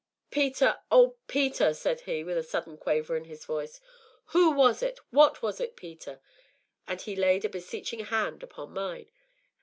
"Peter oh, Peter!" said he, with a sudden quaver in his voice, "who was it what was it, Peter?" and he laid a beseeching hand upon mine.